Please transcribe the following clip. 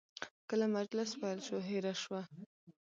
کله مجلس پیل شو، هیره شوه.